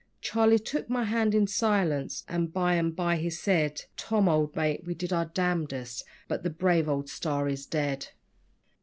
Charlie took my hand in silence and by and by he said: 'Tom, old mate, we did our damnedest, but the brave old STAR is dead.'